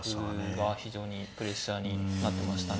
歩が非常にプレッシャーになってましたね。